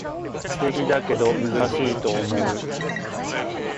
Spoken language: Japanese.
素敵だけど難しいと思う